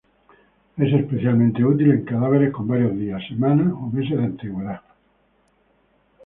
Es especialmente útil en cadáveres con varios días, semanas o meses de antigüedad.